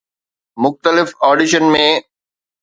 مختلف آڊيشن ۾